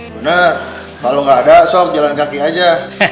benar kalau nggak ada sok jalan kaki aja